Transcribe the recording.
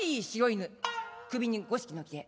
首に五色のきれ。